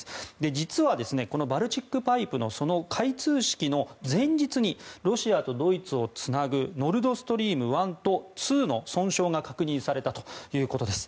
実は、このバルチック・パイプのその開通式の前日にロシアとドイツをつなぐノルドストリーム１と２の損傷が確認されたということです。